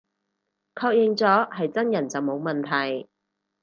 確認咗係真人就冇問題